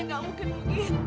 lalu funkanya untuk paker ulang